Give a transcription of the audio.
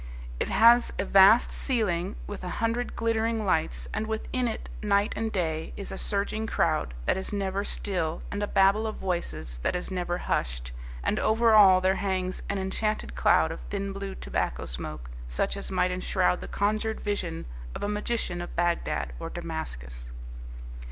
It has a vast ceiling with a hundred glittering lights, and within it night and day is a surging crowd that is never still and a babel of voices that is never hushed, and over all there hangs an enchanted cloud of thin blue tobacco smoke such as might enshroud the conjured vision of a magician of Baghdad or Damascus.